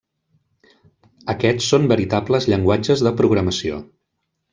Aquests són veritables llenguatges de programació.